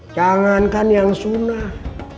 jangankan yang sunnah